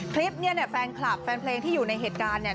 คลิปเนี่ยแฟนคลับแฟนเพลงที่อยู่ในเหตุการณ์เนี่ย